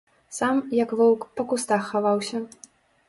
Сам, як воўк, па кустах хаваўся.